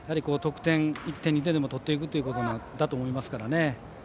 得点を１点２点でも取っていくことだと思いますからね。